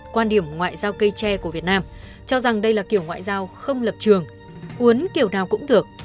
quan điểm ngoại giao cây tre của việt nam cho rằng đây là kiểu ngoại giao không lập trường uốn kiểu nào cũng được